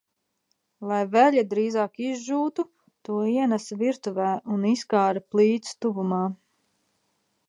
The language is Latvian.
Lai veļa drīzāk izžūtu, to ienesa virtuvē un izkāra plīts tuvumā.